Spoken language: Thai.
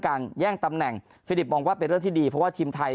แย่งตำแหน่งฟิลิปมองว่าเป็นเรื่องที่ดีเพราะว่าทีมไทย